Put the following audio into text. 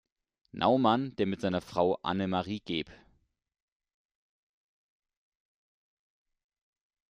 Naumann, der mit seiner Frau Anna Marie geb.